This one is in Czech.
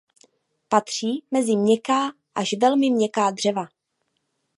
Patří mezi měkká až velmi měkká dřeva.